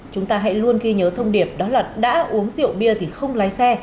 chúng ta hãy luôn ghi nhớ thông điệp đó là đã uống rượu bia thì không lái xe